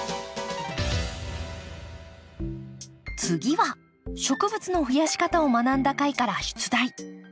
次は植物の増やし方を学んだ回から出題。